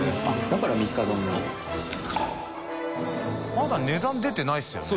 まだ値段出てないですよね？